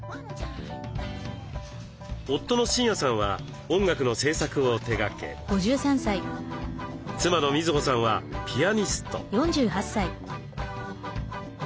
夫の真也さんは音楽の制作を手がけ妻の瑞穂さんはピアニスト。